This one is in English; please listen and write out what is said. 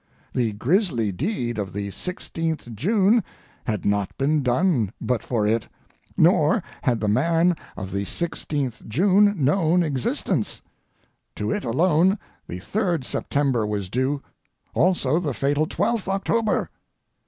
The grisly deed of the 16th June had not been done but for it, nor had the man of the 16th June known existence; to it alone the 3d September was due, also the fatal 12th October.